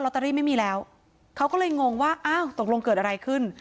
เตอรี่ไม่มีแล้วเขาก็เลยงงว่าอ้าวตกลงเกิดอะไรขึ้น